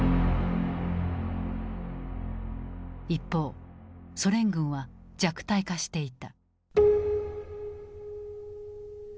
一方ソ連軍は弱体化していた。